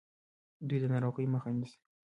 دوی د ناروغیو مخه نیسي.